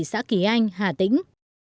xã kỳ anh hà tĩnh